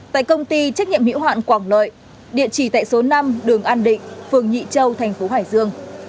tại công ty trách nhiệm hiệu hạn quảng lợi địa chỉ tại số năm đường an định phường nhị châu thành phố hải dương